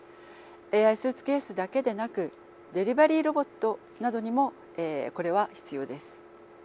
ＡＩスーツケースだけでなくデリバリーロボットなどにもこれは必要です。